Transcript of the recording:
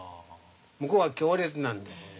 向こうは強烈なんで。